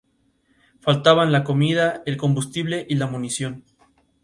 Faltaban la comida, el combustible y la munición.